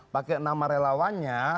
pakai nama relawannya